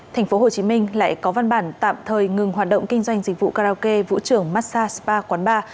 thành phố hồ chí minh lại có văn bản tạm thời ngừng hoạt động kinh doanh dịch vụ karaoke vũ trưởng massa spa quán ba